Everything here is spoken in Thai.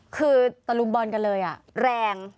คือตะลุมบอลกันเลยแรง